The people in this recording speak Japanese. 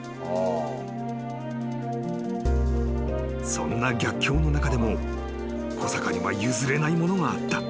［そんな逆境の中でも小坂には譲れないものがあった］